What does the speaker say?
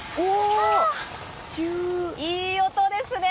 いい音ですね。